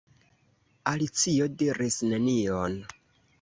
Alicio diris nenion.